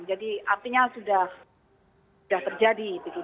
jadi artinya sudah terjadi